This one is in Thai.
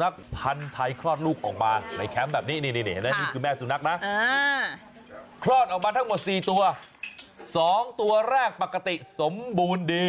คลอดออกมาทั้งหมดสี่ตัวสองตัวแรกปกติสมบูรณ์ดี